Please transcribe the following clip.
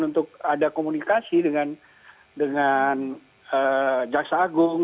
untuk ada komunikasi dengan jaksa agung